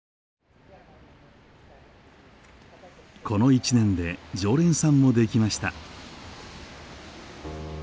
この１年で常連さんもできました。